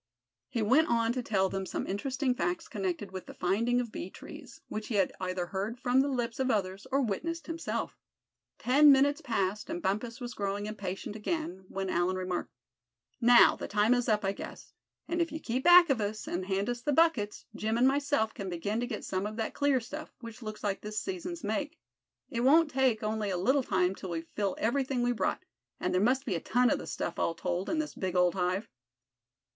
He went on to tell them some interesting facts connected with the finding of bee trees, which he had either heard from the lips of others, or witnessed himself. Ten minutes passed, and Bumpus was growing impatient again, when Allan remarked: "Now, the time is up, I guess; and if you keep back of us, and hand us the buckets, Jim and myself can begin to get some of that clear stuff, which looks like this season's make. It won't take only a little time till we fill everything we brought, and there must be a ton of the stuff, all told, in this big old hive."